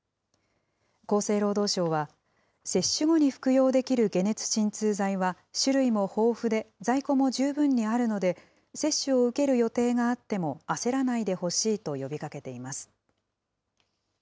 厚生労働省は、接種後に服用できる解熱鎮痛剤は、種類も豊富で、在庫も十分にあるので、接種を受ける予定があっても焦らないでほしいと呼びかけています。